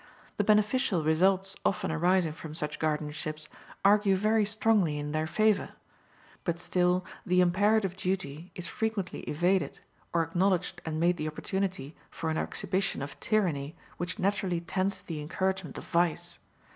The beneficial results often arising from such guardianships argue very strongly in their favor; but still the imperative duty is frequently evaded, or acknowledged and made the opportunity for an exhibition of tyranny which naturally tends to the encouragement of vice.